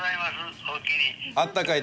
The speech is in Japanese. あったかい